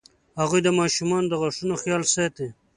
هغوی د ماشومانو د غاښونو خیال ساتي.